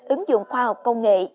ứng dụng khoa học công nghệ